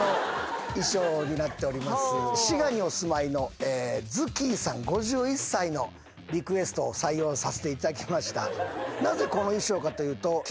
滋賀にお住まいのズキーさん５１歳のリクエストを採用させていただきました。